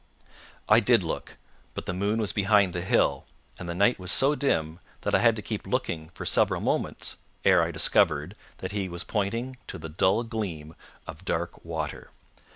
I did look, but the moon was behind the hill, and the night was so dim that I had to keep looking for several moments ere I discovered that he was pointing to the dull gleam of dark water.